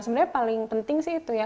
sebenarnya paling penting sih itu ya